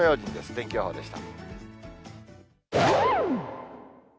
天気予報でした。